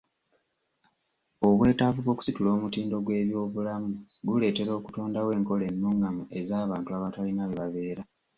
Obwetaavu bw'okusitula omutindo gw'ebyobulamu guleetera okutondawo enkola ennungamu ez'abantu abatalina we babeera.